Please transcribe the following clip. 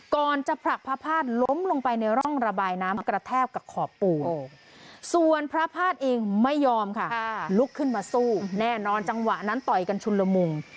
ก่อนจะผลักพระพาทล้มลงไปในร่องระบายน้ำกระแทกกับขอบปูส่วนพระภาษณ์เองไม่ยอมค่ะลุกขึ้นมาสู้แน่นอนจังหวะนั้นต่อยกันชุนละมุง